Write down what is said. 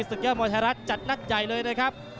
ศึกเยี่ยมมทรรษจัดนักใหญ่เลยนะครับ